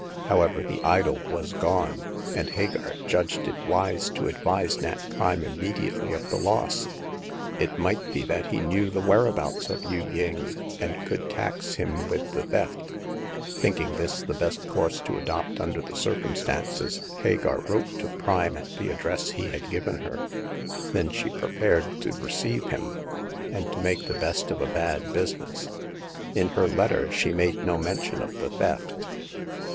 However, the idol was gone, and Hagar judged it wise to advise Nat Prime immediately of the loss. It might be that he knew the whereabouts of Yu ying, and could tax him with the theft. Thinking this the best course to adopt under the circumstances, Hagar wrote to Prime at the address he had given her. Then she prepared to receive him, and to make the best of a bad business. In her letter she made no mention of the theft.